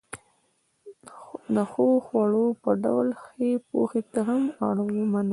د ښو خوړو په ډول ښې پوهې ته هم اړمن یو.